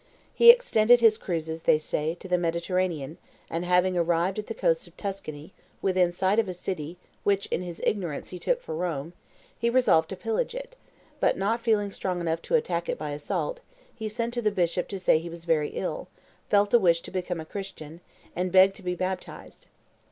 He extended his cruises, they say, to the Mediterranean, and, having arrived at the coasts of Tuscany, within sight of a city which in his ignorance he took for Rome, he resolved to pillage it; but, not feeling strong enough to attack it by assault, he sent to the bishop to say he was very ill, felt a wish to become a Christian, and begged to be baptized.